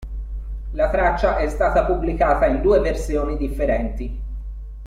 La traccia è stata pubblicata in due versioni differenti.